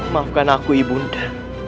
maafkan aku ibunda